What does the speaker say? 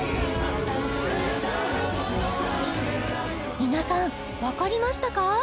皆さんわかりましたか？